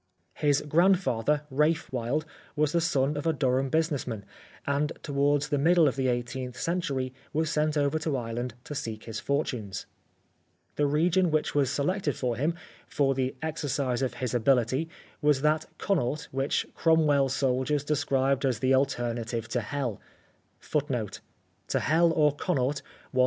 His grandfather, Ralph Wilde, 7 The Life of Oscar Wilde was the son of a Durham business man, and to wards the middle of the eighteenth century was sent over to Ireland to seek his fortunes. The region which was selected for him for the exer cise of his ability was that Connaught which Cromwell's soldiers described as the alternative to Hell ^.